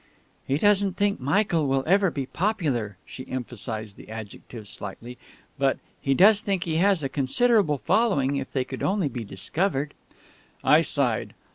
"He doesn't think Michael will ever be popular," she emphasised the adjective slightly, "but he does think he has a considerable following if they could only be discovered." I sighed.